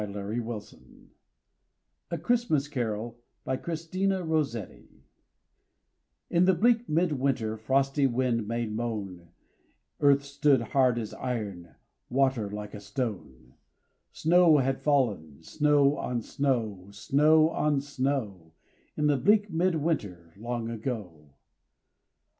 Vachel Lindsay RAINBOW GOLD A CHRISTMAS CAROL IN the bleak mid winter Frosty wind made moan, Earth stood hard as iron, Water like a stone; Snow had fallen, snow on snow, Snow on snow, In the bleak mid winter Long ago.